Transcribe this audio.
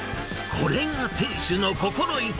これが店主の心意気！